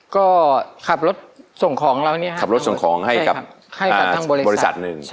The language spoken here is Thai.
ก็ขับรถส่งของให้กับบริษัทหนึ่ง